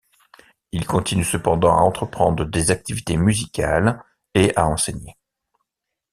Il continue cependant à entreprendre des activités musicales et à enseigner.